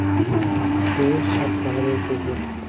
হে সাত পাহাড়ের প্রভু!